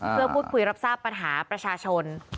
เพื่อพูดคุยรับทราบปัญหาประชาชน